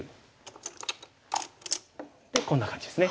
でこんな感じですね。